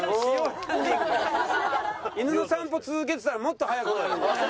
犬の散歩続けてたらもっと速くなるんじゃない？